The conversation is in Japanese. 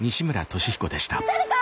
誰か！